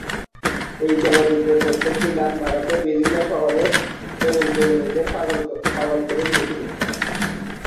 এই চলচ্চিত্রের প্রত্যেকটি গান ভারতের বিভিন্ন শহরের তরুণ-তরুণীদের পাগল করে দিয়েছিলো।